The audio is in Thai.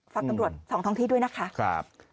ฝากตำรวจสองท้องที่ด้วยนะคะ